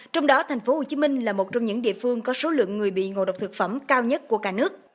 trong đó thành phố hồ chí minh là một trong những địa phương có số lượng người bị ngộ độc thực phẩm cao nhất của cả nước